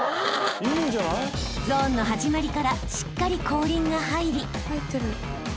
［ゾーンの始まりからしっかり後輪が入り］